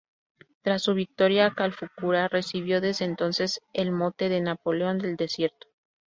Tras su victoria Calfucurá recibió desde entonces el mote de "Napoleón del Desierto".